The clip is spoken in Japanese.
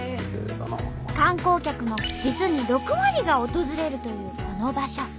観光客の実に６割が訪れるというこの場所。